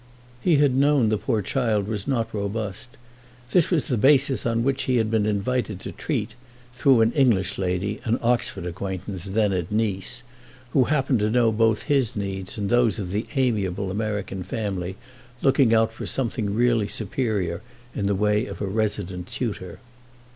He had known the poor child was not robust: this was the basis on which he had been invited to treat, through an English lady, an Oxford acquaintance, then at Nice, who happened to know both his needs and those of the amiable American family looking out for something really superior in the way of a resident tutor.